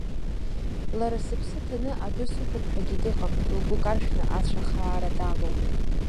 Лара сыԥсы ҭаны адәы сықәуп ҳәагьы дыҟам, лгәы каршәны ацәа хаара далоуп.